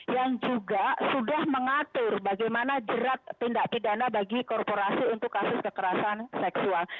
yang juga sudah mengatur bagaimana jerat tindak pidana bagi korporasi untuk kasus kekerasan seksual